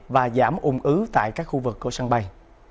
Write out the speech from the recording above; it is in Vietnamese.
và giảm ung ứ tại các khu vực của sân bay